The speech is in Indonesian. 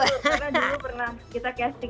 karena dulu pernah kita casting